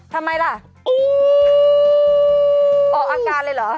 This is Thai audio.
ทำไมล่ะออกอาการเลยเหรอ